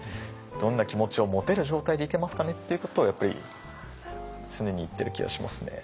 どんな気持ちを持てる状態でいけますかねっていうことをやっぱり常に言ってる気がしますね。